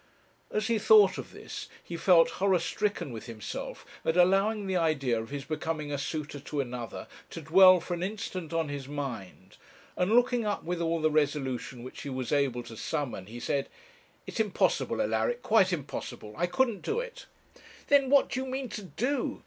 As he thought of this, he felt horror stricken with himself at allowing the idea of his becoming a suitor to another to dwell for an instant on his mind, and looking up with all the resolution which he was able to summon, he said 'It's impossible, Alaric, quite impossible! I couldn't do it.' 'Then what do you mean to do?'